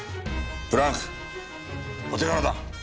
ブランクお手柄だ。